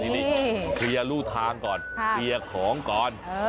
นี่คลียะรูทางก่อนคลียะของก่อน